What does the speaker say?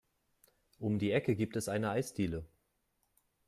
Um die Ecke gibt es eine Eisdiele.